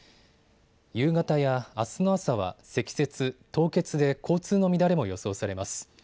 夕方やあすの朝は積雪、凍結で交通の乱れも予想されます。